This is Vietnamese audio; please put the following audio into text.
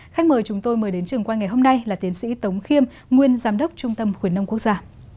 khách mời chúng tôi mời đến trường quay ngày hôm nay là tiến sĩ tống khiêm nguyên giám đốc trung tâm khuyến nông quốc gia